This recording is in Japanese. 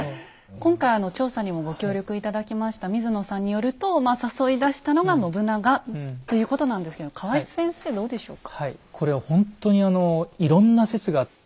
今回調査にもご協力頂きました水野さんによるとまあ誘い出したのが信長ということなんですけど河合先生どうでしょうか？